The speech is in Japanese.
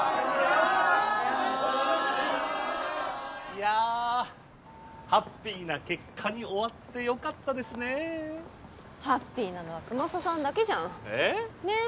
いやハッピーな結果に終わってよかったですねぇハッピーなのはくまささんだけじゃんえぇ？